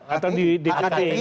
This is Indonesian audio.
atau di kti